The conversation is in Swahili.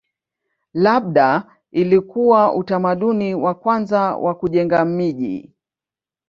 Labda ilikuwa utamaduni wa kwanza wa kujenga miji.